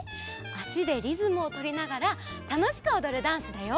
あしでリズムをとりながらたのしくおどるダンスだよ。